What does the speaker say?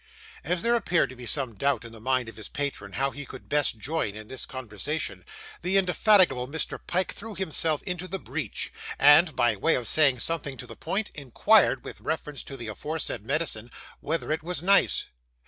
As there appeared to be some doubt in the mind of his patron how he could best join in this conversation, the indefatigable Mr. Pyke threw himself into the breach, and, by way of saying something to the point, inquired with reference to the aforesaid medicine whether it was nice.